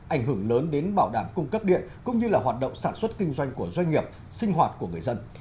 ảnh hưởng lớn đến bảo đảm cung cấp điện cũng như là hoạt động sản xuất kinh doanh của doanh nghiệp sinh hoạt của người dân